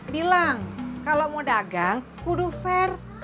bilang kalau mau dagang kudu fair